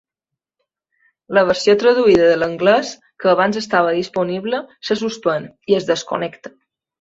La versió traduïda a l'anglès, que abans estava disponible, se suspèn i es desconnecta.